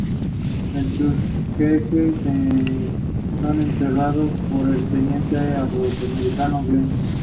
En algunos niveles no están disponibles todos los materiales.